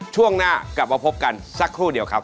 ช่วงหน้ากลับมาพบกันสักครู่เดียวครับ